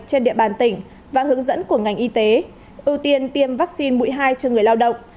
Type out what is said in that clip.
trên địa bàn tỉnh và hướng dẫn của ngành y tế ưu tiên tiêm vaccine mũi hai cho người lao động